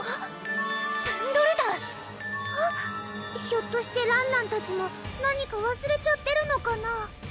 ひょっとしてらんらんたちも何かわすれちゃってるのかな？